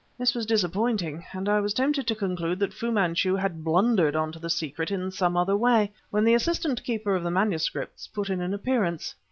"This was disappointing, and I was tempted to conclude that Fu Manchu had blundered on to the secret in some other way, when the Assistant Keeper of Manuscripts put in an appearance.